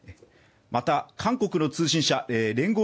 また、韓国の通信社聯合